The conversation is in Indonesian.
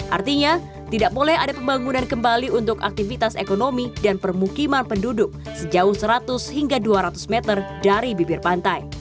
artinya tidak boleh ada pembangunan kembali untuk aktivitas ekonomi dan permukiman penduduk sejauh seratus hingga dua ratus meter dari bibir pantai